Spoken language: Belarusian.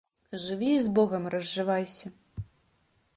Жыві і з Богам разжывайся